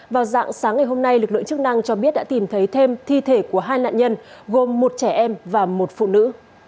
vào dạng sáng ngày hôm nay lực lượng chức năng cho biết đã tìm thấy thêm thi thể của hai nạn nhân gồm một trẻ em và một phụ nữ